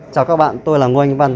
chào các bạn tôi là ngôi văn